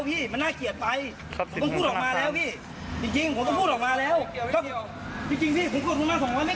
อย่างนี้ไงพี่เสียบบัตรเข้าไป